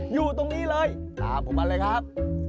อยู่ตรงนี้เลยตามผมมาเลยครับ